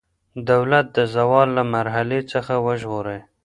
دولت د زوال له مرحلې څخه وژغورئ.